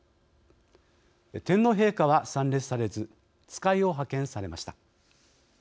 天皇陛下は参列されず使いを派遣されました。